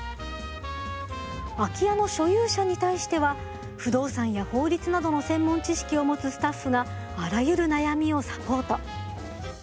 空き家の所有者に対しては不動産や法律などの専門知識を持つスタッフがあらゆる悩みをサポート。